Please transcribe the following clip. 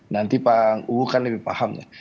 nanti pak uu kan lebih paham ya